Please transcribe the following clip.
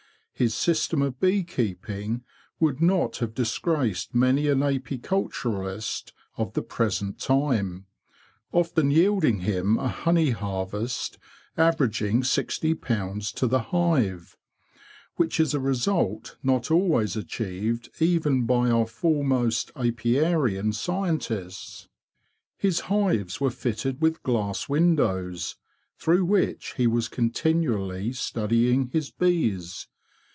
His system of bee keeping would not have disgraced many an apiculturist of the present time, often yielding him a honey harvest averaging sixty pounds to the hive, which is a result not always achieved even by our foremost apiarian scientists. His hives were fitted with glass windows, through which he was continually study ing his bees.